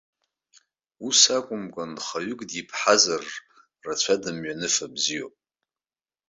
Ус акәымкәан, нхаҩык диԥҳазар, рацәа дымҩаныфа бзиоуп!